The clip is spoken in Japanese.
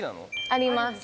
あります。